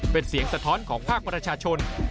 เป็นเสียงสะท้อนของภาคประชาชน